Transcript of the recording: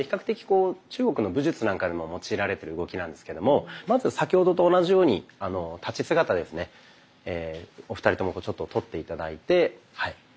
的中国の武術なんかでも用いられてる動きなんですけどもまず先ほどと同じように立ち姿ですねお二人ともとって頂いてはい。